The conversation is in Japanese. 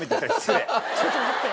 ちょっと待って。